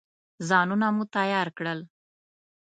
ځانونه مو تیار کړل.